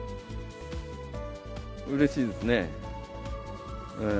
うれしいですね。